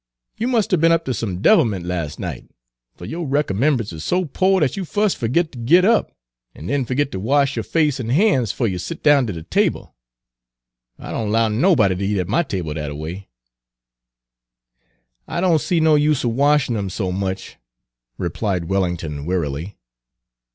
"You must 'a' be'n up ter some devilment las' night, fer yo' recommemb'ance is so po' dat you fus' fergit ter git up, an' den fergit ter wash yo' face an' hands fo' you set down ter de table. I don' 'low nobody ter eat at my table dat a way." "I don' see no use 'n washin' 'em so much," replied Wellington wearily.